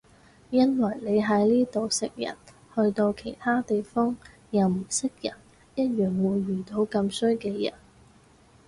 因為你喺呢度食人去到其他地方又唔識人一樣會遇到咁衰嘅人